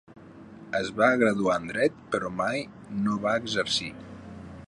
Es va graduar en dret, però mai no va exercir.